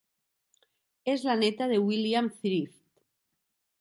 És la neta de William Thrift.